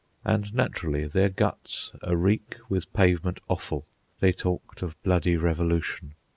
And, naturally, their guts a reek with pavement offal, they talked of bloody revolution.